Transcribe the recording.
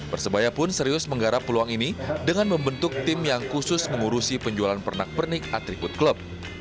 persebaya pun serius menggarap peluang ini dengan membentuk tim yang khusus mengurusi penjualan pernak pernik atribut klub